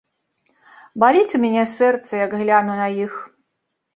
Баліць у мяне сэрца, як гляну на іх.